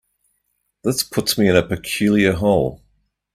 This puts me in a peculiar hole.